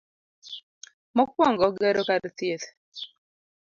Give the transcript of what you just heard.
Mokwongo, gero kar thieth,